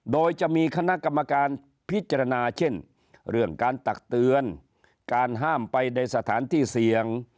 โดยจะมีคณะกรรมการพิจารณาเช่นเรื่องการตักเตือนการห้ามไปในสถานที่เสี่ยง